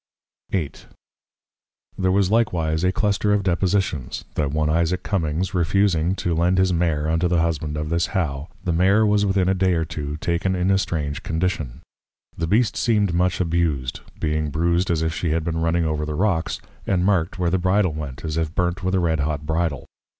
VIII. There was likewise a Cluster of Depositions, That one Isaac Cummings refusing to lend his Mare unto the Husband of this How, the Mare was within a Day or two taken in a strange condition: The Beast seemed much abused, being bruised as if she had been running over the Rocks, and marked where the Bridle went, as if burnt with a red hot Bridle.